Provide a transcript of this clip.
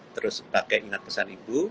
terus pakai ingat pesan ibu